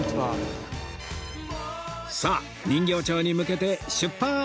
さあ人形町に向けて出発